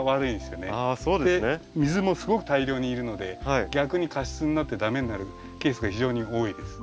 あそうですね。水もすごく大量にいるので逆に過湿になって駄目になるケースが非常に多いです。